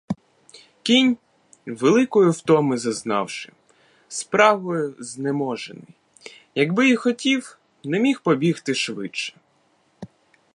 Кінь, великої втоми зазнавши, спрагою знеможений, якби й хотів, не міг побігти швидше.